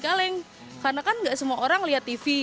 kalau buat teh teh susu itu gitu